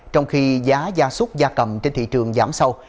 trong khi giá gia súc gia cầm trên thị trường giảm sâu